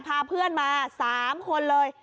พาเพื่อนมา๓คนเลย